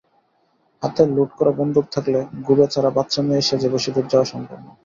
হাতে লোড করা বন্দুক থাকলে গোবেচারা বাচ্চা মেয়ে সেজে বেশিদূর যাওয়া সম্ভব না।